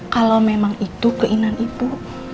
kalau memang itu keinginan ibu